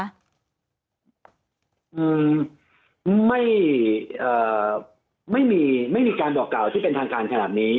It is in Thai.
อืมไม่เอ่อไม่มีไม่มีการบอกกล่าวที่เป็นทางการขนาดนี้